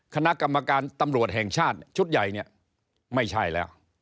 คณะกรรมการตำรวจแห่งชาติชุดใหญ่เนี่ยไม่ใช่แล้ว